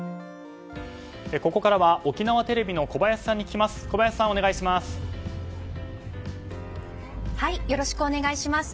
ここからは沖縄テレビの小林さんに聞きます。